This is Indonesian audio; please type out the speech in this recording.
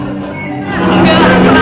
jangan lupa untuk menonton